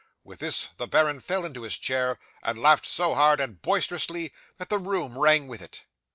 With this the baron fell into his chair, and laughed so loud and boisterously, that the room rang with it.